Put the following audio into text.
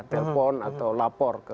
telpon atau lapor